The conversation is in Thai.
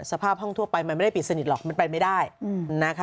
สภาพห้องทั่วไปมันไม่ได้ปิดสนิทหรอกมันไปไม่ได้นะคะ